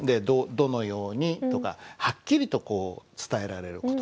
「どのように」とかはっきりとこう伝えられる言葉。